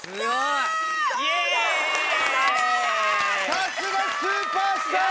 さすがスーパースター。